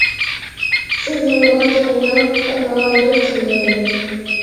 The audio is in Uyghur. سىز يولىغان تېمىنىڭ، بەك راۋاندۇر تىللىرى.